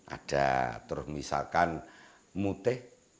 ada terus misalkan mute